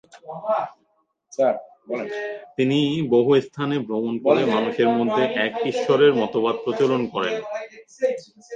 তিনি বহু স্থানে ভ্রমণ করে মানুষের মধ্যে এক ঈশ্বরের মতবাদ প্রচলন করেন।